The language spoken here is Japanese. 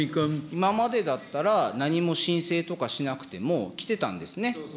今までだったら、なにも申請とかしなくても、来てたんですね。